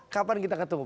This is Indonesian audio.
kapan kita ketemu